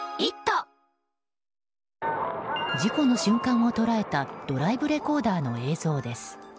事故の瞬間を捉えたドライブレコーダーの映像です。